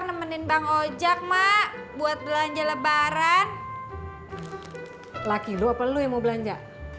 lu pengen kemana